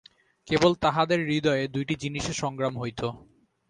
কেবল তাহাদের হৃদয়ে দুইটি জিনিষের সংগ্রাম হইত।